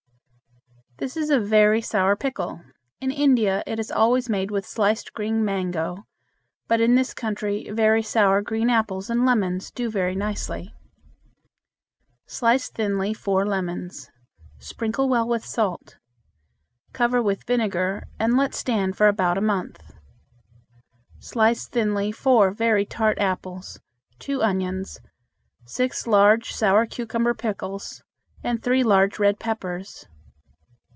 This is a very sour pickle. In India it is always made with sliced green mango, but in this country very sour green apples and lemons do very nicely. [Illustration: THE SNAKE CHARMER] Slice thinly four lemons. Sprinkle well with salt. Cover with vinegar, and let stand for about a month. Slice thinly four very tart apples, two onions, six large sour cucumber pickles, and three large red peppers.